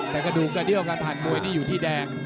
แต่กระดูกกระเดี้ยวการผ่านมวยนี่อยู่ที่แดง